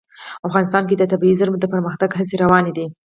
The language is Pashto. افغانستان کې د طبیعي زیرمې د پرمختګ هڅې روانې دي.